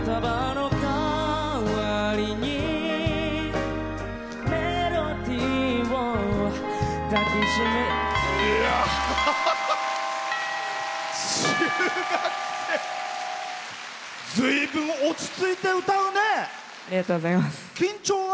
ありがとうございます。